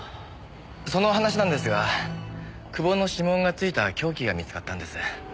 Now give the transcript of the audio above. その話なんですが久保の指紋が付いた凶器が見つかったんです。